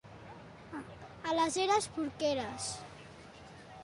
A les Eres, porqueres.